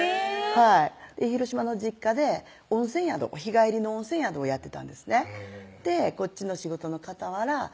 はい広島の実家で温泉宿日帰りの温泉宿をやってたんですねでこっちの仕事のかたわら